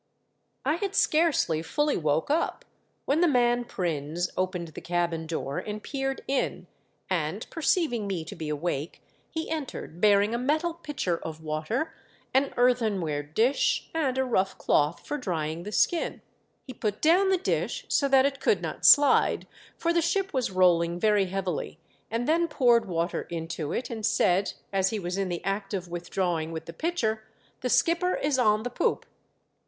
I HAD scarcely fully woke up, when the man Prins opened the cabin door and peered in, and perceivmg me to be awake, he entered bearing a metal pitcher of water, an earthen ware dish, and a rough cloth for drying the skin. He put down the dish so that it could not slide, for the ship was rolling very heavily, and then poured water into it, and said, as he was in the act of withdrawing with the pitcher, " The skipper is on the poop."